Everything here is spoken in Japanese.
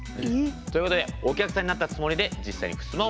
ということでお客さんになったつもりで実際にふすまを見てみましょう。